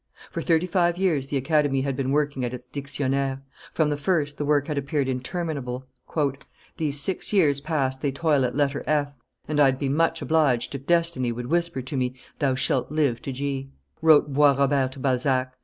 For thirty five years the Academy had been working at its Dictionnaire. From the first, the work had appeared interminable: "These six years past they toil at letter F, And I'd be much obliged if Destiny would whisper to me, Thou shalt live to G, wrote Bois Robert to Balzac.